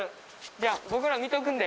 じゃあ僕ら見とくんで。